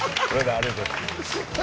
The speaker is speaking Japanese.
ありがとうございます。